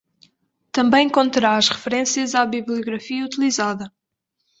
Também conterá as referências à bibliografia utilizada.